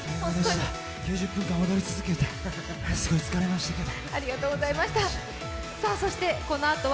９０分間踊り続けて疲れましたけど。